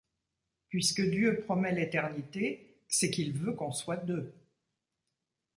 Puisque Dieu promet l’éternité, c’est qu’il veut qu’on soit deux.